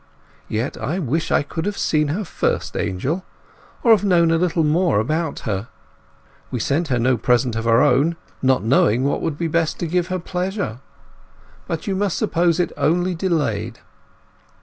Yet I wish I could have seen her first, Angel, or have known a little more about her. We sent her no present of our own, not knowing what would best give her pleasure, but you must suppose it only delayed.